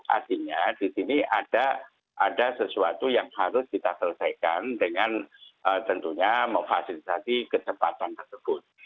artinya di sini ada sesuatu yang harus kita selesaikan dengan tentunya memfasilitasi kecepatan tersebut